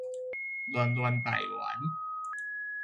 戀戀大員